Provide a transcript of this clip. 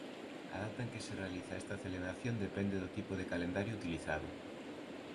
A data en que se realiza esta celebración depende do tipo de calendario utilizado.